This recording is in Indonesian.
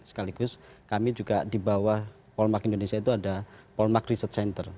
sekaligus kami juga di bawah polmark indonesia itu ada polmark research center